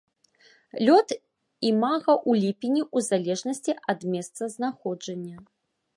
Лёт імага ў ліпені ў залежнасці ад месцазнаходжання.